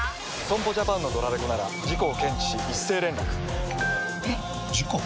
損保ジャパンのドラレコなら事故を検知し一斉連絡ピコンえっ？！事故？！